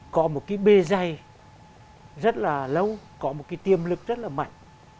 có một cái bê dây rất là lâu có một cái tiềm lực rất là mạnh